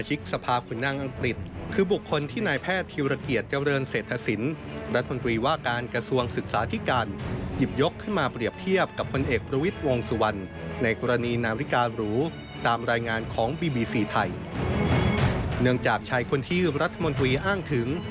หากชายคนที่ยืมรัฐมนตรีอ้างถึง